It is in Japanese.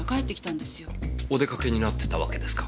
お出かけになってたわけですか？